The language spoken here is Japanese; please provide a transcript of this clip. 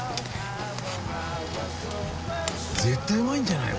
絶対うまいんじゃない？